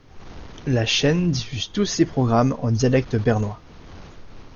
La chaîne diffuse tous ses programmes en dialecte bernois.